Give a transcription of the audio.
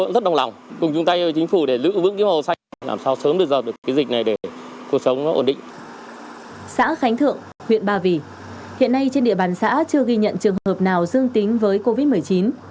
xã khánh thượng huyện ba vì hiện nay trên địa bàn xã chưa ghi nhận trường hợp nào dương tính với covid một mươi chín